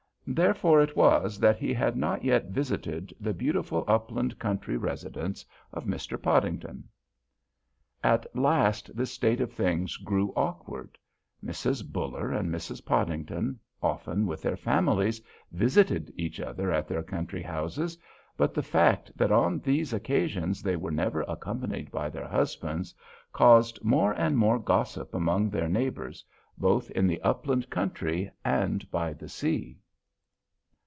Therefore it was that he had not yet visited the beautiful upland country residence of Mr. Podington. At last this state of things grew awkward. Mrs. Buller and Mrs. Podington, often with their families, visited each other at their country houses, but the fact that on these occasions they were never accompanied by their husbands caused more and more gossip among their neighbors both in the upland country and by the sea.